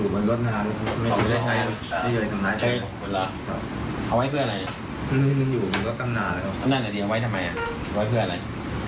นั่นน่ะเนี่ยเอาไว้ทำไมอะเอาไว้เพื่ออะไร